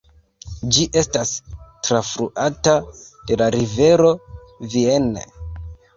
Ĝi estas trafluata de la rivero Vienne.